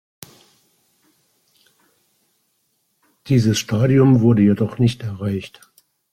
Dieses Stadium wurde jedoch nicht erreicht.